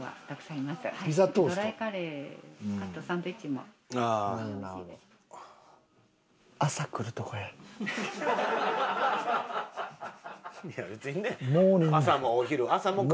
いや別にね